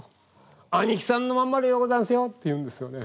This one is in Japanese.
兄貴さんのまんまでようござんすよ」って言うんですよね。